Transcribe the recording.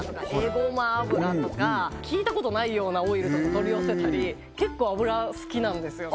ごま油とか聞いたことないようなオイルとか取り寄せたり結構油好きなんですよね